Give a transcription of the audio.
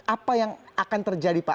apa yang akan terjadi pak